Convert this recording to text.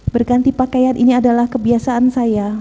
berganti pakaian ini adalah kebiasaan saya